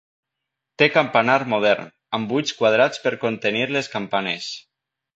Té campanar modern, amb buits quadrats per contenir les campanes.